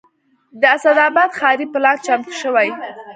د اسداباد ښاري پلان چمتو شوی